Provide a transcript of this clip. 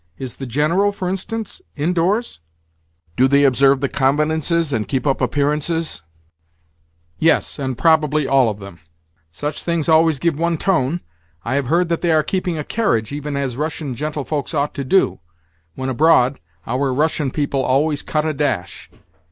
Is the General, for instance, indoors?" "Yes; and probably all of them." "Do they observe the convenances, and keep up appearances? Such things always give one tone. I have heard that they are keeping a carriage, even as Russian gentlefolks ought to do. When abroad, our Russian people always cut a dash.